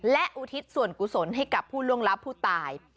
และอุทิศส่วนกุศลให้กับผู้ล่วงลับผู้ตาย